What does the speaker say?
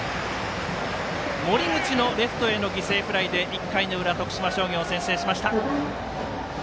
森口のレフトへの犠牲フライで１回の裏徳島商業、先制しました。